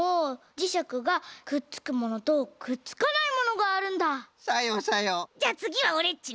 じゃあつぎはオレっちね。